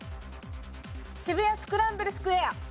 渋谷スクランブルスクエア。